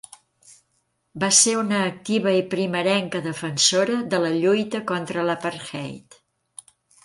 Va ser una activa i primerenca defensora de la lluita contra l'apartheid.